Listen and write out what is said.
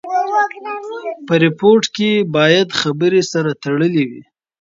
په ریپورټ کښي باید خبري سره تړلې وي.